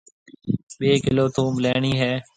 ٻي ڪلو ٿونڀ ليڻِي هيَ۔